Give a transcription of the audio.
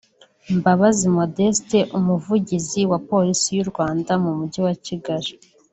Mbabazi Modeste; umuvugizi wa Polisi y’u Rwanda mu mujyi wa Kigali